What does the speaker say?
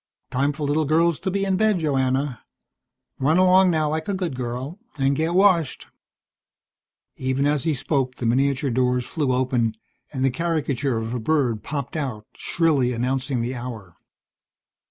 "Time for little girls to be in bed, Joanna. Run along now like a good girl, and get washed." Even as he spoke the miniature doors flew open and the caricature of a bird popped out, shrilly announcing the hour.